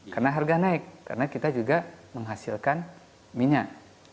karena harga naik karena kita juga menghasilkan minyak